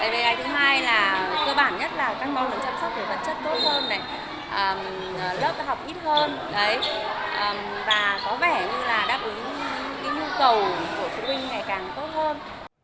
về cái thứ hai là cơ bản nhất là các con cần chăm sóc về vật chất tốt hơn lớp học ít hơn và có vẻ như là đáp ứng những nhu cầu của phụ huynh ngày càng tốt hơn